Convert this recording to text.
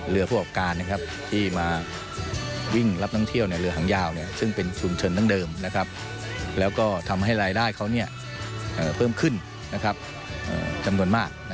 ผู้ประกอบการที่มาวิ่งรับท่องเที่ยวในเรือหางยาวซึ่งเป็นชุมชนดั้งเดิมแล้วก็ทำให้รายได้เขาเพิ่มขึ้นจำนวนมาก